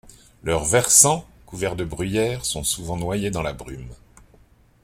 Leurs versants, couverts de bruyère, sont souvent noyés dans la brume.